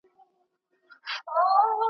نه عمرونه مو کمیږي تر پېړیو .